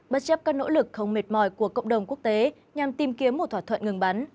bất chấp các nỗ lực không mệt mỏi của cộng đồng quốc tế nhằm tìm kiếm một thỏa thuận ngừng bắn